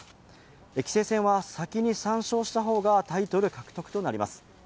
棋聖戦は先に３勝した方がタイトル獲得となります。